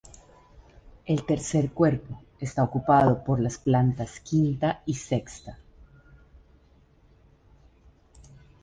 El tercer cuerpo está ocupado por las plantas quinta y sexta.